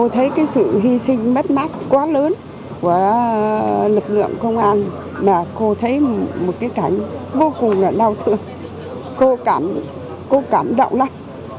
nhiệt vật lượng công an cô thấy một cái cảnh vô cùng đau thương cô cảm động lắm